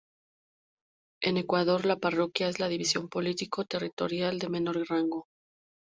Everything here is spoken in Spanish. En Ecuador, la parroquia es la división político-territorial de menor rango.